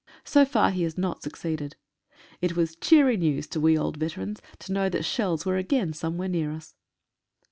So far he has not succeeded. It was cheery news to we old veterans to know that shells were again somewhere near us.